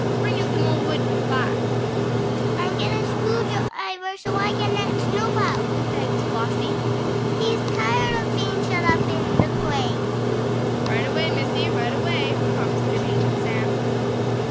"Bring in some mo' wood for de fire!" "And get a screw driver so I can let Snoop out," begged Flossie. "He's tired of being shut up in the crate!" "Right away, Missie! Right away!" promised good natured Sam.